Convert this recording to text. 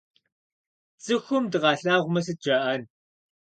Цӏыхум дыкъалъагъумэ, сыт жаӏэн?